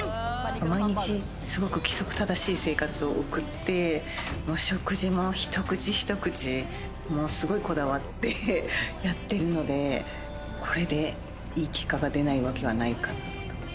毎日すごく規則正しい生活を送って食事も一口一口、すごいこだわってやってるので、これでいい結果が出ないわけはないかなと。